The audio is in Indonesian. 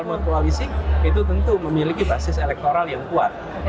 membuat koalisi itu tentu memiliki basis elektoral yang kuat